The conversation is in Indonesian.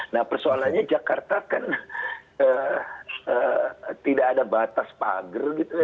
nah persoalannya jakarta kan tidak ada batas pagar gitu ya